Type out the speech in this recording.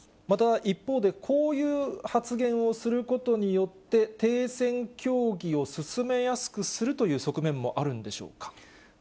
また一方で、こういう発言をすることによって、停戦協議を進めやすくするという側面もあるんでしょうか。